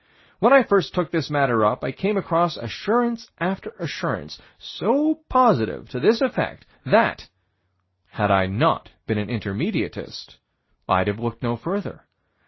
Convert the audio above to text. When I first took this matter up, I came across assurance after assurance, so positive to this effect, that, had I not been an Intermediatist, I'd have looked no further.